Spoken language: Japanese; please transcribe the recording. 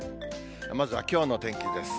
まずはきょうの天気です。